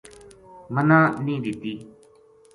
منا نی دِتی